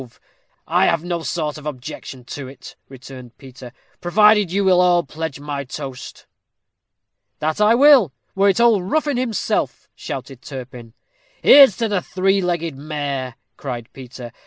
said Zoroaster. "I have no sort of objection to it," returned Peter, "provided you will all pledge my toast." "That I will, were it old Ruffin himself," shouted Turpin. "Here's to the three legged mare," cried Peter.